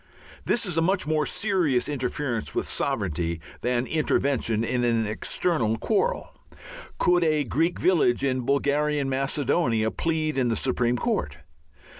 This is a much more serious interference with sovereignty than intervention in an external quarrel. Could a Greek village in Bulgarian Macedonia plead in the Supreme Court?